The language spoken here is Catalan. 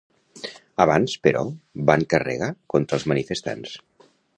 Abans, però, van carregar contra els manifestants.